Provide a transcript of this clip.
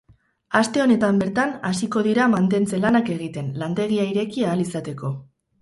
Aste honetan bertan hasiko dira mantentze lanak egiten, lantegia ireki ahal izateko.